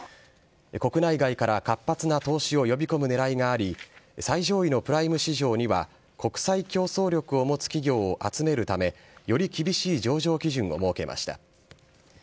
国内外から活発な投資を呼び込むねらいがあり、最上位のプライム市場には、国際競争力を持つ企業を集めるため、より厳しい上場基準を設けました。